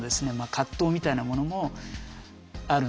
葛藤みたいなものもあるんですよね。